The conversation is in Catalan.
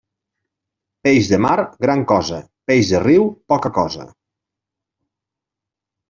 Peix de mar, gran cosa; peix de riu, poca cosa.